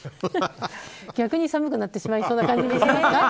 逆に寒くなってしまいそうな感じですね。